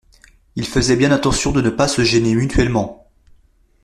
Ils faisaient bien attention de ne pas se gêner mutuellement.